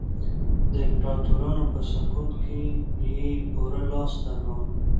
د امپراتورانو په سقوط کې یې پوره لاس درلود.